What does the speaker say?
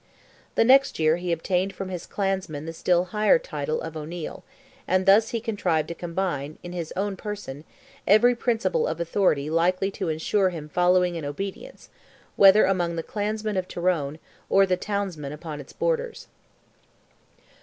The next year he obtained from his clansmen the still higher title of O'Neil, and thus he contrived to combine, in his own person, every principle of authority likely to ensure him following and obedience, whether among the clansmen of Tyrone, or the townsmen upon its borders.